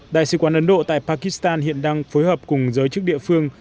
đại sứ quán ấn độ tại pakistan hiện đang phối hợp cùng giới chức địa phương